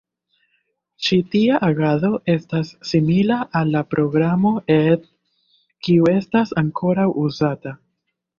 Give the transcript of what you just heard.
Ĉi tia agado estas simila al la programo ed, kiu estas ankoraŭ uzata.